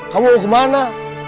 kamu mau kemana